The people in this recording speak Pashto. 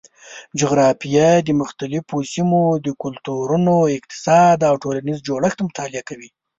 جغرافیه د مختلفو سیمو د کلتورونو، اقتصاد او ټولنیز جوړښت مطالعه کوي.